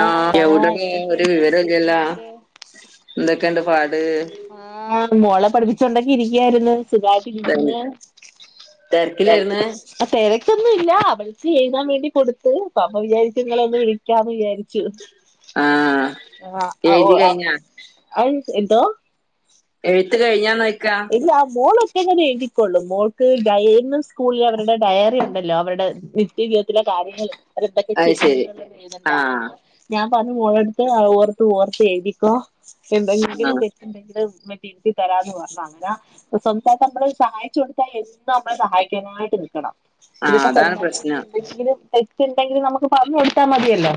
ആ ആ എവിടടെ ഒരു എന്തൊക്കെയുണ്ട് വിവരം ഇല്ലല്ലോ വിശേഷങ്ങളൊക്കെ എന്തൊക്കെയുണ്ട് പാട് ആ മോളെ പഠിപ്പിച്ചൊണ്ടക്കെ ഇരിക്കയായിരുന്നു സിഗായിട്ട് ഇരിക്കുന്ന് തിരക്കിലായിരുന്നേ തിരക്കൊന്നും ഇല്ല ചെയ്യാൻ വേണ്ടി കൊടുത്ത് അപ്പ അപ്പ വിചാരിച്ചു നിങ്ങള ഒന്ന് വിളിക്കാന്ന് വിചാരിച്ചു ആഹ് ആഹ ഓ എഴുതി കഴിഞ്ഞാ അ എന്തോ എഴുത്ത് കഴിഞ്ഞാ ഇല്ല ആ മോള് [unintelligible] ക്കൊള്ളും മോൾക്ക് ഡയന്ന് സ്കൂളിൽ അവരുടെ ഡയറി ഉണ്ടല്ലോ അവരുടെ നിത്യവിതത്തിലെ അത് ശരി ആഹ് [unintelligible] പന മോളെടുത്ത് ഓർത്ത് ഓർത്തി എഴക്കോ എന്തെങ്കിലും ആഹ് തെറ്റണ്ടെങ്കിലിൽ തിരുത്തി തരാന്ന് പറഞ്ഞാ സ്വന്തായിട്ട നമ്മള് ഒരു സഹായിച്ചു കൊടുത്താൽ എന്നും നമ്മളെ സഹായിക്കാനായിട്ട് നിൽക്കണം ആഹ് ഇതിപ്പോ അതാണ് പ്രശ്നം എന്തെങ്കിലും തെറ്റ് ഉണ്ടെങ്കിൽ നമുക്ക് പറ കൊടുത്താൽ മതിയല്ലോ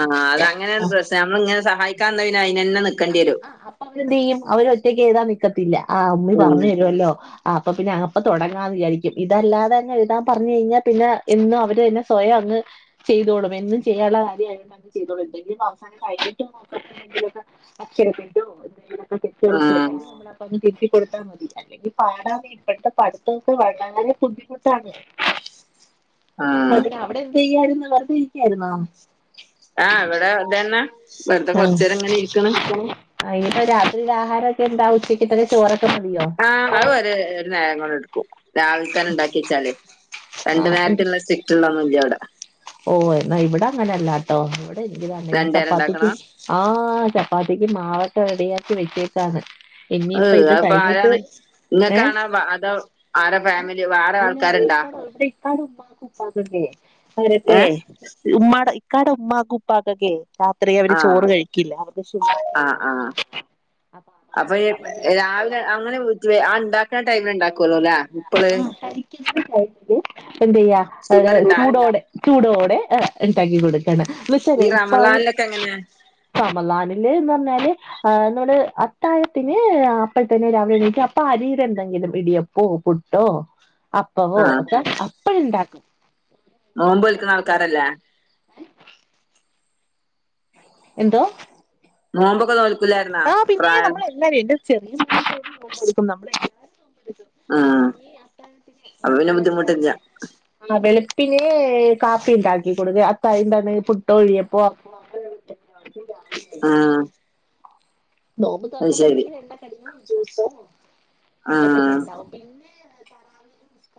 ആഹ് അത് അങ്ങനെയ ഒരു പ്രശ്നം നമ്മൾ ഇങ്ങനെ സഹായിക്കാ അതിന് തന്നെ നി അപ്പൊ അവര്ന്ത് ചെയ്യും അവര ഒറ്റക്ക് എഴുതാൻ നിക്കത്തില്ല ആ അമ്മി ഉം പറഞ്ഞു തരുമല്ലോ ആ അപ്പൊ പിന്ന അപ്പൊ തുടങ്ങാന്ന് വിചാരിക്കും ഇതല്ലാതെ തന്നെ എഴുാൻ പറഞ്ഞു കഴിഞ്ഞാ പിന്നെ എന്നും അവര് തന്നെ സ്വയം ചെയ്തോളും എന്ന ചെയ്യാനുള്ള കാര്യമായിട്ട് ചെയ്തോളും എന്തെങ്കിലും അവസാനം കഴഞ്ഞിട്ട് മാത്രില [inaudible] ആഹ് കൊടുത്താൽ മതി അല്ലെങ്കിൽ പാടാമതി ഇപ്പഴത്തെ പഠിത്തൊക്കെ വളരെ ബുദ്ധിമുട്ടാണ് അ ആഹ് പിന്നെ അവിടെ എന്ത് ചെയ്യായിരുന്നു വെറുതെ ഇരിക്കായിരുന്നോ ആഹ് ഇവിടെ അതന്നെ വെറുതെ കൊറച്ചേര ഇങ്ങനെ ഇരിക്കുന്നു ആ ഇനിപ്പപ്പോ രാത്രിൽ ആഹാരൊക്കെന്താ ഉച്ചക്കതെ ചോറ് ആഹ അത് ഒരു നേരം കൊണ്ട് എടുക്കും രാവിലെ തന്നെ ഉണ്ടാക്കി വച്ചാല് രണ്ടു ആഹ് നേരത്തുള്ള സിറ്റള്ളന്ന മതി അവിടെ അങ്ങനല്ലട്ടോ ഇവിടെ എനിക്ക് രണ്ടു നേരം ചപ്പാത്തിക്ക് ഉണ്ടാക്കണം ആ ചപ്പാത്തിക്ക് ആവട്ടെ റെഡിയാക്കി വെച്ചേക്കാണ് ഇനിയിപ്പോ അഹ് ഇത് അത്പ്പോ കഴിഞ്ഞിട്ട് ആരാണ് ഏഹ ഇങ്ങക്കാണോ അതോ ആരെ ഫാമിലി വേറെ അല്ല ആൾക്കാരുണ്ടാ അവടെ ഇക്കാട് ഉമ്മാക്ക് ഉപ്പാ അവരോക്കെ ഏഹ് ഉമ്മാടെ ഇക്കാടെ ഉമ്മക്ക് ഉപ്പാക്ക്ക്കെ രാത്രി അവര് ആഹ് ചോറ് കഴിക്കില്ല അവർക്ക് ആഹ് ഷുഗറൊക്കെയുള്ളവരാ ആഹ് അപ്പൊ രാവിലെ അങ്ങനെ ആണ്ടാ അ ടൈമിൽണ്ടാക്കുവല്ലോ അല്ലേ ഇപ്പള് എന്ത്‌ ചെയ്യ ഷുഗർ ഇണ്ടാ ചൂടോടെ ചൂടോടെ ഉണ്ടാക്കി കൊടുക്കും എന്ന് ഈ വെച്ചാല് ഉപ്പായ് റമളാനിലൊക്കെ എങ്ങനെ സമലാനില് എന്ന് പറഞ്ഞാല് ആ നമ്മള് അത്താഴത്തിന് അപ്പഴത്തന്നെ രാവിലെ എണീക്ക് അപ്പൊ അരീടെ എന്തെങ്കിലും ഇടിയ ഓ പുട്ടോ അപ്പവോ ആഹ് ഒക്കെ അപ്പഴുണ്ടാക്കും നോമ്പ് നിൽക്കണ ആൾക്കാരല്ലേ എന്തോ [unintelligible] ആ പിന്നെ പ്രായം നമ്മള എല്ലാരും എറെ ചെറിയടുക്കും നമ്മ ആഹ് അപ്പൊ പിന്നെ ബുദ്ധിമുട്ടില്ല [inaudible] പിന്നെ കാപ്പി ഉണ്ടാക്കിക്കൊടുക്ക അത്തണ്ടന്ന പുട്ട ഇടിയപ്പോ [unintelligible] ആഹ നോമ്പ് തുറക്കുമ്പോ എന്തെങ്കിലും എണ് കടിയോ ജ്യൂസോ അതൊക്കെ ആഹ് ഉണ്ടാവും പിന്നെ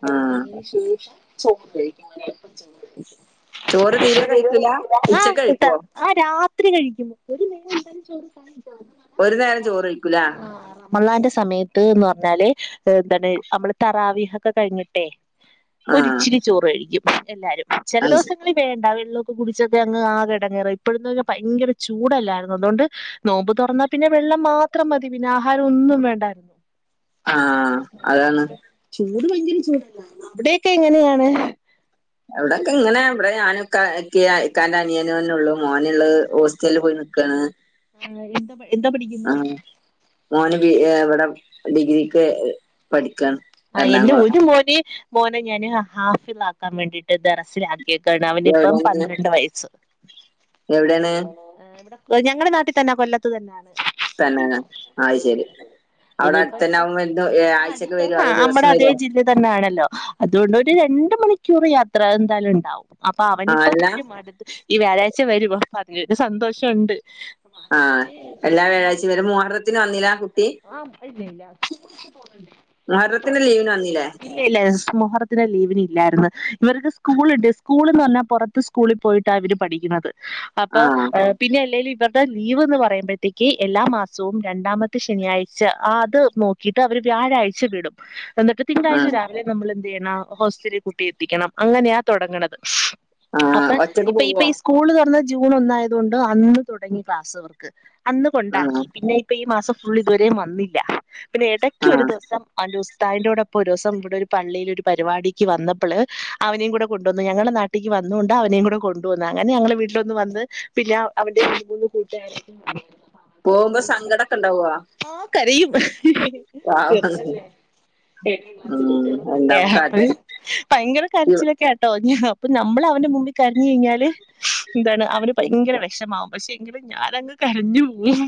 ആഹ് ശേഷം ചോറ് കഴിക്കാപ്പം ചോറ് കഴിക്ക ചോറ് തീരെ കഴിക്കൂല ഉച്ചക്ക് ആട്ട കഴിക്കോ ആ രാത്രി കഴി [unintelligible] എന്തായും ചോറ് ഒരു നേരം ചോറ് കഴിക്കൂല റമളാന്റെ സമയത്ത് എന്ന് പറഞ്ഞാല് എന്താണ് നമ്മള് തറാവി ഒക്കെ കഴിഞ്ഞിട്ടെ ആഹ് ഒരിച്ചിരി ചോറ് കഴിക്കും എല്ലാരും ചില അത് ശരി ദിവസങ്ങളിൽ വേണ്ട വെള്ളൊക്കെ കുടിച്ചൊക്കെ അങ്ങ് ആകെ ഇടങ്ങേറ ഇപ്പോഴന്ന് ഭയങ്കര ചൂടല്ലായിരുന്നു അതുകൊണ്ട് നോമ്പ് തുറന്നാ പിന്നെ വെള്ളം മാത്രം മതി പിന്നെ ആഹാരം ഒന്നും വേണ്ടായിരുന്നു ആഹ അതാണ് ചൂട് ഭയങ്കര ചൂടല്ല അവിടോക്കെ എങ്ങനെയാണ് ഇവിടൊക്കെ ഇങ്ങനെ ഇവിടെ ഞാനും ഇക്കിം ഇക്കാൻ്റെനിയനന്നെ ഉള്ളൂ മോനുള്ളത് ഹോസ്റ്റലിൽ പോയി അക്ക ആഹ എന്താ എന്താ പഠിക്കുന്നെ മോന് ബ ഇവിടെ ഡിഗ്രിക്ക് പഠിക്ക ആ എന്റെ ഒരു മോൻ മോനെ ഞാന് ഹാഫിളാക്കാൻ വേണ്ടിട്ട് ദറസില ക്കാണ് അവനിപ്പോ എവിടെയാണ് പന്ത്രണ്ട് വയസ്സ് എവിടെയാണ് ഞങ്ങളുടെ നാട്ടിൽ തന്നെ കൊല്ലത്ത് തന്നെയാണ് തന്നെന് ആക്കിയേക്കാ ആത് ശരി അവിടെ അടുത്ത ഇനിയിപ്പം തന്നെ അവൻ ആഴ്ചക്ക് വരോ ആ നമ്മുടെ അതേ ജില്ല തന്നൊണല്ലോ അതുകൊണ്ട് ഒരു രണ്ട മണിക്കൂർ യാത്ര ന്തായാലും ഉണ്ടാവും അപ്പൊ അവനി ആഹ് ഇപ്പൊ അല്ല വരും അടുത്ത് ഈ വ്യാഴാഴ്ച്ച വരും അപ്പ അതിൻ്റൊരു സന്തോഷണ്ട് ആഹ് എല്ലാ വ്യാഴാഴ്ച്ച വരും? മുഹറത്തിന് വന്നില്ല? കുട്ടി ആഹ് [unintelligible] മുഹറത്തിൻ്റെ ലീവിന് വന്നില്ലേ? മുഹറത്തിൻ്റെ ലീവിനില്ലായിരുന്നു ഇവർക്ക് സ്കൂൾണ്ട് സ്കൂൾ എന്ന് പറഞ്ഞാ പുറത്ത് സ്കൂളിൽ പോയിട്ടാ അവര് പഠിക്കുന്നത് അപ്പൊ ആഹ് പിന്നെ അല്ലേലും ഇവരുടെ ലീവ് എന്ന് പറയുമ്പോഴത്തേക്ക് എല്ലാ മാസവും രണ്ടാമത്തെ ശനിയാഴ്ച അത് നോക്കിയിട്ട് അവര് വ്യാഴാഴ്ച വിടും എന്നിട്ട് തിങ്കളാഴ്ച ആഹ് രാവിലെ നമ്മൾ ഹോസ്റ്റലിൽ കുട്ടി എത്തിക്കണം അങ്ങനെയാ തുടങ്ങണത് ആഹ് അപ്പൊ ഒറ്റക്ക് ഇപ്പൊ ഇപ്പൊ പോവോ ഈ സ്കൂള് തുറ ജൂൺ ഒന്നായതുകൊണ്ട് അന്ന് തുടങ്ങി ക്ലാസവർക്ക് അന്ന് ആഹ് കൊണ്ടാക്കി പിന്നെ ഇപ്പൊ ഈ മാസം ഫുൾ ഇതുവരെയും വന്നില്ല പിന്നെ ഇടയ്ക്ക ഒരു ആഹ് ദിവസം അവൻറെ മത്താന്റെറോടൊപ്പൊ ഒരു ദിവസം ഇവിടെ ഒരു തായിൻ്റെ കൂടെ പ്പോ ഒരേസം ഇവിടൊരു പള്ളിയി ഒരു പരിപാടിക്ക് വന്നപ്പോള് അവനെയും കൂടെ കൊണ്ടുവന്നു ഞങ്ങളുടെ നാട്ടിക്ക് വന്ന വന്നൊണ്ട് അവനെയും കൂടെ കൊണ്ട് വന്ന് അങ്ങനെ ഞങ്ങളെ വീട്ടിലൊന്ന് വന്ന് പിന്നെ അവന്റെ ഈ മൂന്ന് കൂട്ട പോകുമ്പോ സങ്കടമൊക്കെ ഉണ്ടാവോ ആ കരയും ആ ചെറുതല്ലേ [unintelligible] ഭയങ്കര കരച്ചിലൊക്കേട്ടോ അപ്പൊ നമ്മൾ അവന്റെ മുമ്പിൽ കരഞ്ഞ് കഴിഞ്ഞാല് എന്താണ് അവന് ഭയങ്കര വിഷമാവും പക്ഷെ എങ്കിലും ഞാനങ്ങ് കരഞ്ഞു പോവും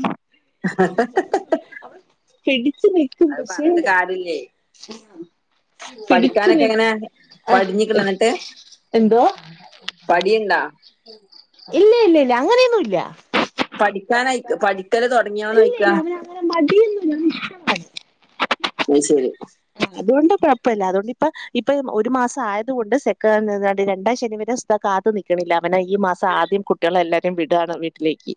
ഹ ഹ് ഹ് അവൻ പിടിച്ച് നിക്കും പക്ഷെ പറഞ്ഞിട്ട് കാര്യല്ലേ പിടിച്ച് പഠിക്കാനൊക്കെ നി എങ്ങനെ ആഹ പടിഞ്ഞിക്കണ എന്നിട്ട് എന്തോ പടിയുണ്ടാ ഇല്ല ഇല്ല ഇല്ല അങ്ങനെയൊന്നുല്ല പഠിക്കാൻയിക്കും പഠിക്കല് തുടങ്ങിയോന്ന ചോയ്ക്കി അവനങ്ങനെ മടിയോന്നൂല്ല അവനിഷ്ടമായി അത് ശരി അതുകൊണ്ട് കുഴപ്പമല്ല അതുകൊണ്ട് ഇപ്പൊ ഇപ്പൊ ഒരു മാസം ആയത് കൊണ്ട് സെക്ക രണ്ടാം ശനി വരെ ഉസ്താദ് കാത്തു നിൽക്കണില്ല അവനെ ഈ മാസം ആദ്യം കുട്ടികളെ എല്ലാരും വിടാണ് വീട്ടിലേക്ക്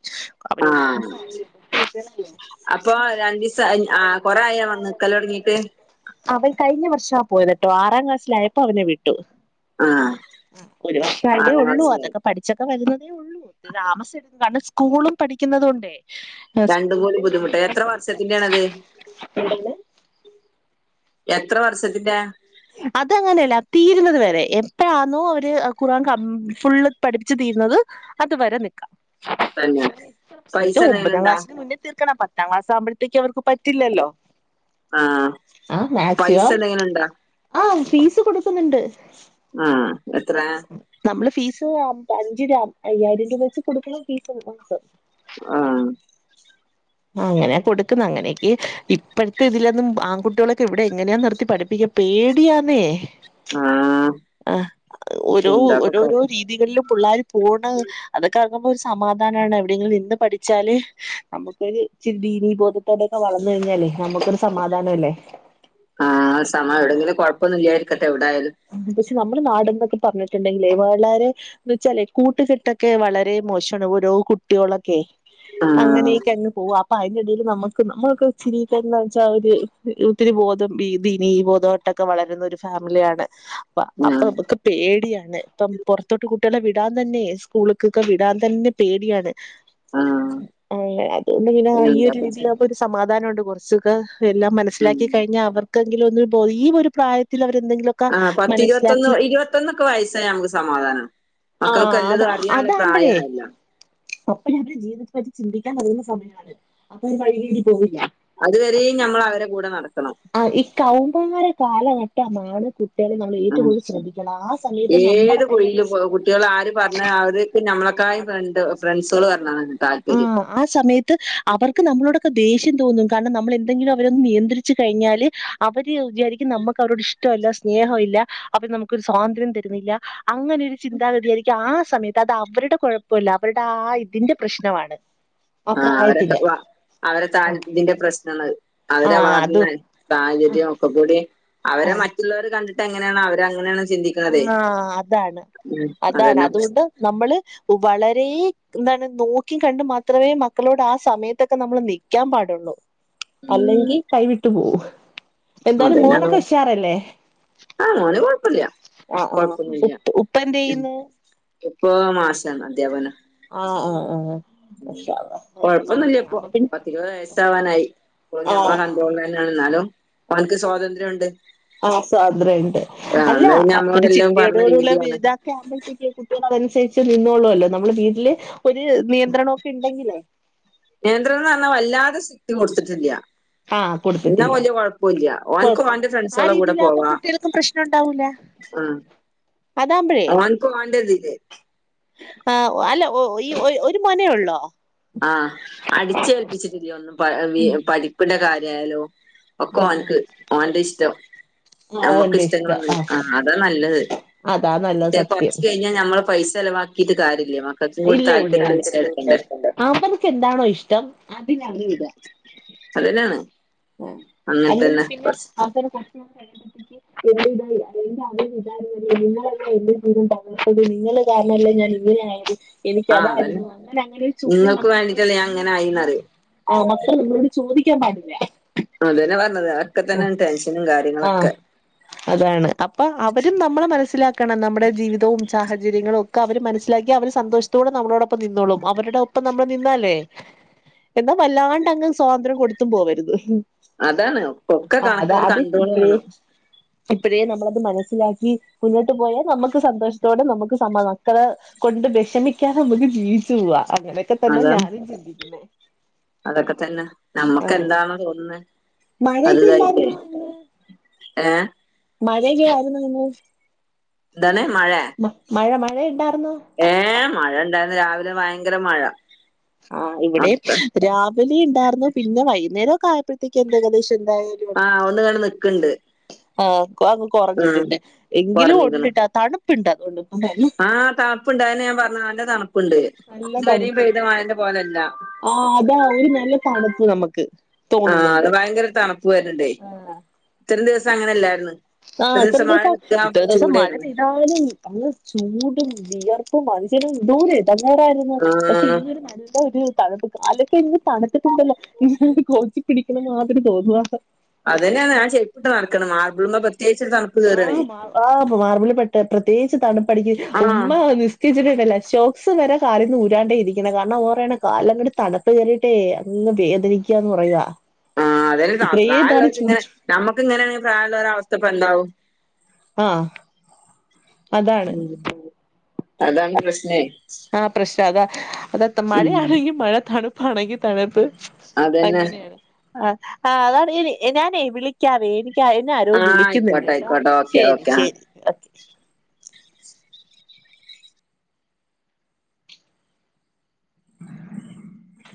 അവനൊരു ആഹ് മാസ്സല്ലയൊള്ളു അപ്പൊ രണ്ടീസം ആ കൊറേ ആയോ വന്ന് നിക്കല് തൊടങ്ങീട്ട് [unintelligible] അവൻ കഴിഞ്ഞ വർഷ ആ പോയത്ട്ടോ ആറാം ക്ലാസ്സിലായയപ്പോ അവനെ വിട്ടു ആഹ് ഒരു വർക്ഷം ആയിട്ടെ ആറാം ഉള്ളൂ ക്ലാസ്സിലായി അതൊക്കെ പഠിച്ചൊക്കെ വരുന്നത് ഏ ഉള്ളൂ ഒ താമസം എടുന്നു കാരണം സ്കൂളും പഠിക്കുന്നത കൊണ്ട്േ രണ്ടും സ്കൂളിൽ കൂടി ബുദ്ധിമുട്ട് എത്ര വർഷത്തിന്റെയാണത് [unintelligible] എത്ര വർഷത്തിന്റെ അതങ്ങനെയല്ല തീരുന്നത് വരെ എപ്പഴാണോ അവര് കുറആൻ ക ഫുള്ള് പഠിപ്പിച്ച അത് വരെ നിക്കാം തന്നെ പൈസ എന്തെങ്കിലും ഒമ്പതാം ഇണ്ടാ ക്ലാസിന് മുന്നേ തീർക്കണം പത്താം ക്ലാസ്സാകുമ്പോഴേത്തേക്ക് അവർക്ക് പറ്റില്ലല്ലോ ആഹ പൈസ എന്തെങ്ങലും ഉണ്ടോ ആഹ് ഫീസ് കൊടുക്കുന്നുണ്ട് ആഹ് എത്ര നമ്മള് ഫീസ് അഞ്ച് അയ്യായിരം രൂപ വെച്ച് കൊടുക്കണം ഫീസ് മാസം ആഹ് ആ അങ്ങനാ കൊടുക്കുന്ന അങ്ങനെയക്ക് ഇപ്പഴത്തെ ഇതിലന്നും ആൺകുട്ടികളൊക്കെ ഇവിടെ എങ്ങനെയാ നിർത്തി പഠിപ്പിക്ക പേടിയാന്നേ ആഹ് ആ ഓരോ എന്താപ്പ കാ ഓരോരോ രീതികളിലും പിള്ളേർ പോണ അതൊക്കെ ഇപ്പൊ ഒരു സമാധാനമാണ് എവിടെയെങ്കിലും ഇന്ന് പഠിച്ചാല് നമ്മുക്ക് ഇ ഒരു ചിരി ദീനി ബോധത്തോടെൊക്കെ വളർന്ന് കഴിഞ്ഞാലേ നമ്മുക്കൊരു സമാധാനംല്ലേ ആഹ് സമയ എവിടെങ്കിലും കൊഴപ്പൊന്നുമ ഇല്ലായിരിക്കട്ടെ എവിടൊയാലും പക്ഷെ നമ്മുടെ നാടന്നൊക്കെ പറഞ്ഞിട്ടുണ്ടെങ്കിലേ വള്ളരെ എന്ന് വെച്ചാലെ കൂട്ടുകെട്ടൊക്കെ വളരെ പക്ഷേ ഓരോ കുട്ടികളൊക്കെ ആഹ് അങ്ങനെയൊക്കെങ്ങ് പോവ അതിനിടയിൽ നമ്മുക്ക് നമ്മളൊക്കെ ഒച്ചരി വെച്ചാൽ ഒരു ഒത്തിരി ബോധം ഈ ദിന ഈ ബോധവട്ടം ക്കെ വളരുന്ന ഒരു ഫാമിലിയാണ് അപ്പൊ ആഹ് നമ്മുക്ക് പേടിയാണ് ഇപ്പം പുറത്തോട്ട് കുട്ടികളെ വിടാൻ തന്നെ സ്കൂളക്കൊക്കെ വിടാൻ തന്നെ പേടിയാണ് ആഹ് അ അത് എ ഈ ഒരു എന്താപ്പ ചെ രീതിയിലപ്പൊ ഒരു സമാധാനം മുണ്ട് കുറച്ചൊക്കെ എല്ലാം ഉം മനസ്സിലാക്കി കഴിഞ്ഞാൽ അവർക്ക് കെങ്കില ഒ ഈ ഒരു പ്രായത്തിൽ അവരെന്തെിലും ആ പത്തി ഇരുപത്തൊന്ന് ഇരുപത്തൊന്നൊക്കെ വയസ്സ് നമ്മുക്ക് സമാധാനം ആ മക്കൾക്ക് എല്ലതും അറിയാനുള്ള പ്രായമായല്ലോ അപ്പന അവിടെ ജീവിതത്തെ പറ്റി ചിന്തിക്കാൻ അറിയുന്ന സമയമാണ് അപ്പൊ അവ വഴികേണ്ടി പോവില്ല അതുവരെയും നമ്മൾ അവരെ കൂടെ നടക്കണം ആ ഈ കൗമ്മാര കാലഘട്ടമാണ് കുട്ടികളെ നമ്മൾ ഏറ്റവും ഉ കൂടുതൽ ശ്രദ്ധിക്കണം ആ സമയത്ത് നമ്മുടെ ഏത് കയ്യിലൊരു കുഴയില് കുട്ടികൾ ആര് പറഞ്ഞ അവരക്കെ നമ്മളെ യണ്ട് ഫ്രണ്ട്സുകൾ പറഞ്ഞത ആഹ് ആ സമയത്ത് അവർക്ക് നമ്മളോടൊക്കെ ദേഷ്യം തോന്നും കാരണം നമ്മൾ എന്തെങ്കിലും അവരൊന്നു നിയന്ത്രിച്ചു കഴിഞ്ഞാൽ അവര് വിചാരിക്കും നമ്മുക്ക് അവരുടെ ഇഷ്ടമല്ല സ്നേഹം ഇല്ല അപ്പൊ നമുക്കൊരു സ്വാതന്ത്ര്യം തരുന്നില്ല അങ്ങനെരു ചിന്താഗതിയായിരിക്കും ആ സമയത്ത് അത് അവരുടെ കുഴപ്പമല്ല അവരുടെ ആ ഇതിന്റെ പ്രശ്നമാണ് ആ ആഹ് അവരൊക്കെ പ്രായത്തിന്റെ വ അവരെ താൽ ആഹ് ഇതിന്റെ പ്രശ്നമാണ് അവരെ അത് വളർന്ന സാഹചര്യം ഒക്കെ കൂടി അവരെ ആഹ് മറ്റുള്ളവർ കണ്ടിട്ട് എങ്ങനെയാണ് അവര് അങ്ങനെയാണ് ചിന്തിക്കണതേ ആഹ് അതാണ് ഉം അതാണ് അതന്നെ അതുകൊണ്ട് പ്രശ്നം നമ്മള് വളരെ എന്താണ് നോക്കി കണ്ട് മാത്രമേ മക്കളോട് ആ സമയത്തൊക്കെ നമ്മൾ നിൽക്കാൻ പാടുള്ളൂ അല്ലെങ്കിൽ കൈവിട്ടു പോവും എന്തായാലും അതോ മോനൊക്കെ ഉഷാറല്ലേ ആഹ് ഓന് കൊഴപ്പില്ല ആഹ് ആഹ് കൊഴപ്പൊന്നില്ല ഉപ്പ് ഉപ്പ എന്ത് ചെയ്യുന്നു ഇപ്പ മാസമാണ് അധ്യാപനം ആഹ് ആഹ് ആഹ് മാഷാ അല്ലാഹ് കൊഴപ്പൊന്നുമില്ല മാഷാ ഇപ്പൊ അപ്പൊ പിന്നെ പത്തിരുപത് വയസ്സ് ആവാനായി അ ആഹ് ഞമ്മ ആഹ് കൺട്രോളിൽ തന്നാണ് എന്നാലും അവനക്ക് സ്വാതന്ത്ര്യം ഉണ്ട് ആ സ്വാതന്ത്ര്യം ഉണ്ട് അല്ല അന്ന് പിന്നെ ഒരു നമ്മളോടെല്ലാം ചിട്ടിയോട പറഞ്ഞ കൂടുള്ള രീതിയാണ് വിതാക്ക ആപ കുട്ടികൾ അതനുസരിച്ച് നിന്നള്ളല്ലോ നമ്മുടെ വീട്ടില് ഒരു നിയന്ത്രണമൊക്കെ ഉണ്ടെങ്കിലേ നിയന്ത്രണം പറഞ്ഞാൽ വല്ലാതെ സെറ്റും കൊടുത്തിട്ടില്ല ആഹ് എന്നാ കൊടുത്തിട്ടില്ല വല്യ കുഴപ്പില്ല അവനക്ക് കുഴപ്പമില്ല അവൻ്റെ ആ ഫ്രണ്ട്സോളെ കൂടെ രീതിയിലാകുമ്പോ പോവാ കുട്ടികൾക്കും പ്രശ്നം ഉണ്ടാവൂല ആഹ് അതാകുമ്പഴേ അവ അൻക്കോ ആണ്ടത് ഇേ ആ അല്ല ഈ ഒരു മേന ഉള്ളോ ആഹ് അടിച്ചേൽപ്പിച്ചിട്ടില്ല ഒന്നും പഠിപ്പിന്റെ കാര്യയാലോ ഒക്കോ ഉം ഉം അവൻക്ക് ഓൻ്റെ ഇഷ്ടം ആ നമ്മുക്ക് ഓന്റെ ഇഷ്ടങ്ങ ഇഷ്ടം ആ അതാ നല്ലത് അതാ നല്ല മറ്റേ സത്യം കുറച്ച് കഴിഞ്ഞാൽ നമ്മൾ പൈസ ചിലവാക്കിട്ട് കാര്യ ഇല്ല ഇല്ല [unintelligible] എന്താണോ ഇഷ്ടം അതി വിട അതന്നെയാണ് അങ്ങനെ തന്നെ അല്ലെങ്കിൽ പിന്നെ കൊറച്ച് [unintelligible] [inaudible] നിങ്ങൾ കാരണല്ലേ ഞാൻ. അങ്ങനെ ആഹ് അതന്നെ എനിക്കതായിരുന്നു അങ്ങനെ അങ്ങനെ ഒരു ചോദ്യം നിങ്ങൾക്ക് നമ്മക്ക്‌ വേണ്ടിട്ടല്ലേ ഞാൻ അങ്ങനെ ആയിന്നറിയും ആഹ് മക്കള് ഇളോട് ചോദിക്കാൻ പാടില്ല. അതന്നെ പറഞ്ഞത് അതൊക്കെ തന്നെ ടെൻഷനും കാര്യങ്ങളും ആഹ് ഒക്കെ. അതാണ് അപ്പം അവരും നമ്മളെ മനസ്സിലാക്കണം. നമ്മുടെ ജീവിതവും സാഹചര്യങ്ങളും ഒക്കെ അവര് മനസ് മനസ്സിലാക്കി അവര് സന്തോഷത്തോടെ നമ്മളോടൊപ്പം നിന്നോളും. അവരുടെ ഒപ്പം നമ്മള് നിന്നാലേ. എന്നാ വല്ലാണ്ട് അങ്ങ് സ്വാതന്ത്ര്യം കൊടുത്തും പോവരുത്. അതാണ് ഒക്കെ കണക്ക്‌ ഒരു കണ്ട്രോള് വേണം. ഇപ്പൊഴേ നമ്മളത് മനസ്സിലാക്കി മുന്നോട്ട് പോയാൽ നമുക്ക് സന്തോഷത്തോടെ നമുക്ക് സമാദാനം കെ കൊണ്ട് വിഷമിക്കാതെ നമുക്ക് ജീവിച്ചു പോവാം. അതാ അതൊക്കെ തന്നെ ആ നമ്മക്ക് എന്താണോ തോന്നു ന്നെ മഴയൊക്കെ വലുതായിട്ടേ ഉണ്ടായിരുന്നോ എ മഴയൊലൊ [unintelligible] ഇന്ന് എന്താണ് മഴ മഴ മഴ ഉണ്ടായിരുന്നോ ഏഹ് മഴ ഉണ്ടായിരുന്നു രാവിലെ ഭയങ്കര മഴ. ആഹ് ഇവിടെയും മക്ക രാവിലെ ഉണ്ടാരുന്നു പിന്നെ വൈകുന്നേരം ഒക്കെ ആയ പ്പോഴത്തേക്ക് എന്ത്‌ ഏകദേശം ആഹ് എ [unintelligible] ആഹ് എങ്കിലും കൊറഞ്ഞിക്കണ് ഉണ്ട്ട്ടാ തണുപ്പുണ്ട് അതുകൊണ്ട് ഇപ്പം നല്ല ആ തണുപ്പുണ്ടായ്ന്. പറഞ്ഞെ നല്ല തണുപ്പുണ്ട്. നല്ല ഇതുവരെയും പെയ്ത തണുപ്പുണ്ട് മഴേന്റെ പോലെയല്ല. ആഹ് അതാ ഒരു നല്ല തണുപ്പ് നമുക്ക്. ആഹ് അത് തോന്നുന്നുണ്ട് ഭയങ്കര തണുപ്പ് വരുന്നുണ്ടേ ഇത്ര ദിവസ ആഹ് [unintelligible] ഇത്ര ദിവസം നിക്കാ ഇത്ര ദിവസം മഴ ചൂടായിരുന്നു പെയ്താലും നല്ല ചൂട്. ടും വിയർപ്പും മനുഷ്യരും എന്തോര് ഇടങ്ങേറായിരുന്നു. പക്ഷെ ആഹ് ഇന്നൊരു നല്ലൊരു. തണുപ്പ് കാലൊതെ ഇങ്ങ് തണുത്തിട്ടുണ്ടല്ലോ ഈ കോച്ചി പിടിക്കണ മാതിരി തോന്നുവാ. അത് തന്നെയാ ഞാൻ ചെരുപ്പിട്ട് നടക്കണെ മാർബിള്ന്ന് ആഹ് മാപ ആഹ് മാർബിളി പെട്ട് പ്രത്യേകിച്ച് തണുപ്പടിക്കും ആഹ് ഉമ്മ നിസ്കരിച്ചിട്ടുണ്ടല്ലേ. സോക്സ് വരെ കാലേന്ന് ഊരാണ്ടാ ഇരിക്കണ് കാരണം ഓറെണ കാലിനൊരു തണുപ്പ് കേറിയിട്ടേ അങ്ങ് വേദനി നിക്ക പറയുവാ ആഹ് അത് ഇത്രയും കാലം പ്രായമുള്ളവർക്ക് ചൂട് ഇങ്ങനെ ചു നമ്മക്ക് ഇങ്ങനാണെ പ്രായമുള്ളവരെ അവസ്ഥ ഇപ്പം എന്താവും. ആഹ അതാണ്. ഉം അതാണ് പ്രശ് ആഹ് പ്രശ്ത അതാ ഉം മഴയാണെങ്കി മഴ തണുപ്പാണെങ്കി തണുപ്പ്. അതന്നെ അങ്ങനെയാണ് ആഹ് ആഹ് അതാണ് ഞാന് ഞാനേ വിളിക്കാവേ എനി ക്ക്‌ എന്നെ ആരോ ആഹ് ആയിക്കോട്ടെ വിളിക്കുന്നുണ്ട്ട്ടോ കേട്ടോ ആയിക്കോട്ടെ ഓക്കെ ശരി ഓക്കെ ആ ശരി